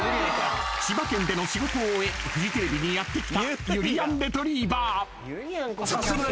［千葉県での仕事を終えフジテレビにやって来た］早速なんですが。